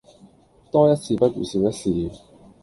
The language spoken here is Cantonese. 多一事不如少一事